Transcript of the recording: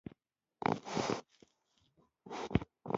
لهجې ته درناوی وکړئ، خو لیک مو معیار ته نږدې وساتئ.